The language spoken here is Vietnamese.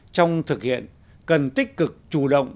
trong thực hiện cần tích cực chủ động